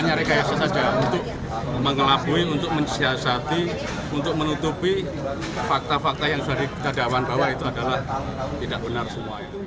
hanya rekayasa saja untuk mengelabui untuk mensiasati untuk menutupi fakta fakta yang sudah dikatakan bahwa itu adalah tidak benar semua